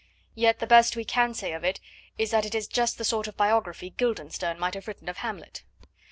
Yet the best we can say of it is that it is just the sort of biography Guildenstern might have written of Hamlet.